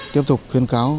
tiếp tục khuyên cáo